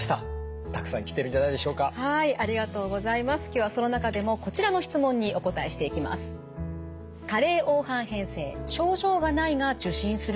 今日はその中でもこちらの質問にお答えしていきます。